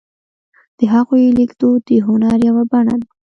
د هغوی لیکدود د هنر یوه بڼه ده.